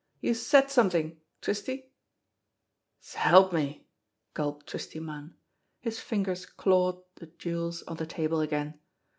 "Youse said somethin', Twisty !" "'S'help me!" gulped Twisty Munn. His fingers clawed the jewels on the table again.